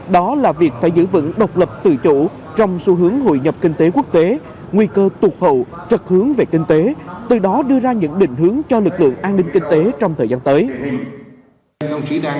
đó là việc phải giữ vững độc lập tự chủ trong xu hướng hội nhập kinh tế quốc tế nguy cơ tụt hậu trật hướng về kinh tế từ đó đưa ra những định hướng cho lực lượng an ninh kinh tế trong thời gian tới